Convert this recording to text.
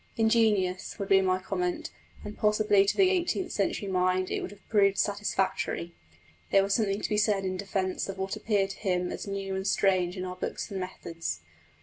Ingenious! would be my comment, and possibly to the eighteenth century mind it would have proved satisfactory. There was something to be said in defence of what appeared to him as new and strange in our books and methods.